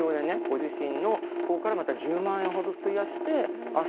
ご自身の方からまた１０万円ほど費やしてああ